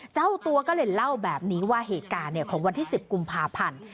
เจ้าตัวก็เลยเล่าแบบนี้ว่าเหตุการณ์ของวันที่๑๐กุมภาพันธ์